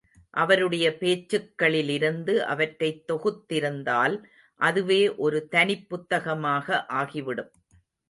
அவருடைய பேச்சுக்களிலிருந்து அவற்றைத் தொகுத்திருந்தால் அதுவே ஒரு தனிப் புத்தகமாக ஆகிவிடும்.